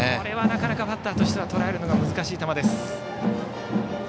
なかなかバッターとしてはとらえるのが難しい球です。